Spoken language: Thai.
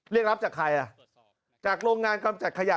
เรียกรับจากใครอ่ะจากโรงงานกำจัดขยะ